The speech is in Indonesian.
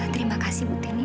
terima kasih bu tini